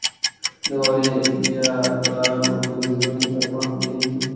د واورې یا باران اوبه د ځمکې پر مخ بهېږې.